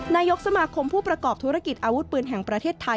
นายกสมาคมผู้ประกอบธุรกิจอาวุธปืนแห่งประเทศไทย